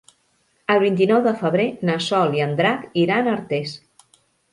El vint-i-nou de febrer na Sol i en Drac iran a Artés.